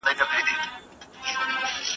¬ خداى چا نه دئ ليدلی، مگر پر قدرتو ئې پېژني.